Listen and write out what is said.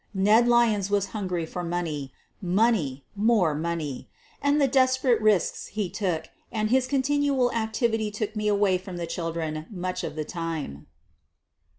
Ned Lyons was hungry for money — money, more money — and the desperate risks he took and his con tinual activity took me away from the children much of the time.